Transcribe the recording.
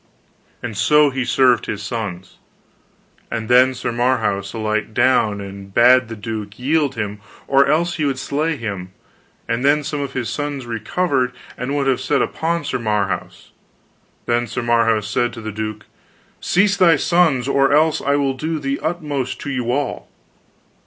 And so he served his sons. And then Sir Marhaus alight down, and bad the duke yield him or else he would slay him. And then some of his sons recovered, and would have set upon Sir Marhaus. Then Sir Marhaus said to the duke, Cease thy sons, or else I will do the uttermost to you all.